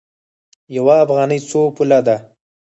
یوه افغانۍ څو پوله ده؟